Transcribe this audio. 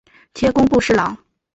迁工部侍郎。